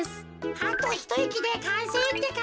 あとひといきでかんせいってか。